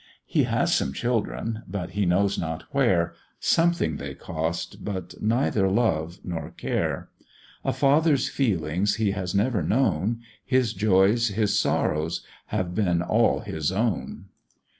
He has some children, but he knows not where; Something they cost, but neither love nor care; A father's feelings he has never known, His joys, his sorrows, have been all his own.